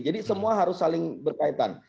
jadi semua harus saling berkaitan